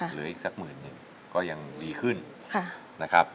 เหลืออีกสักหมื่นหนึ่งก็ยังดีขึ้นนะครับ